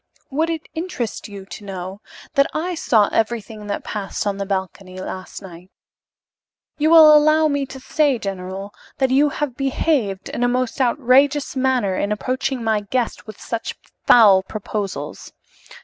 "Would it interest you to know that I saw everything that passed on the balcony last night? You will allow me to say, general, that you have behaved in a most outrageous manner in approaching my guest with such foul proposals.